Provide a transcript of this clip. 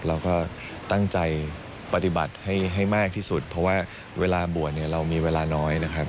เราก็ตั้งใจปฏิบัติให้มากที่สุดเพราะว่าเวลาบวชเนี่ยเรามีเวลาน้อยนะครับ